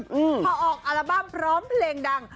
พอออกอัลบั้มพร้อมเพลงดัง